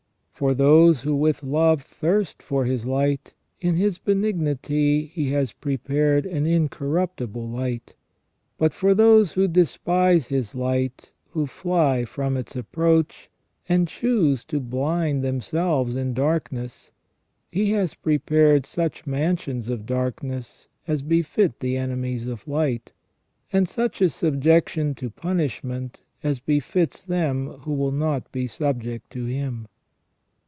For those who with love thirst for His light, in His benignity He has prepared an incorruptible light ; but for those who despise His light, who fly from its approach, and choose to blind themselves in darkness, He has prepared such mansions of darkness as befit the enemies of light, and such a subjection to punishment as befits them who will not be subject to Him.